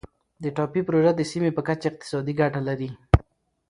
د ټاپي پروژه د سیمې په کچه اقتصادي ګټه لري.